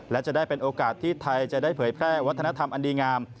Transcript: และจะได้เป็นโอกาสที่ไทยจะได้เผยแพร่วัฒนธรรมอันดีงาม